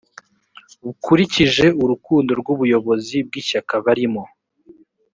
bkurikije urukundo rw’ubuyobozi bw’ishyaka barimo